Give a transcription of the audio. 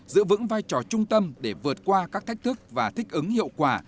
giữ vững vai trò trung tâm để vượt qua các thách thức và thích ứng hiệu quả